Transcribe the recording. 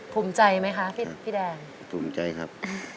ภูมิใจไหมคะพี่แดงภูมิใจครับ